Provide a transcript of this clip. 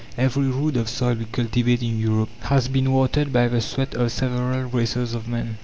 Every rood of soil we cultivate in Europe has been watered by the sweat of several races of men.